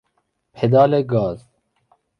پدال گاز